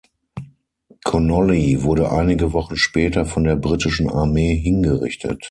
Connolly wurde einige Wochen später von der Britischen Armee hingerichtet.